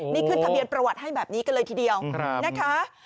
นี่ขึ้นทะเบียนประวัติให้แบบนี้กันเลยทีเดียวนะคะ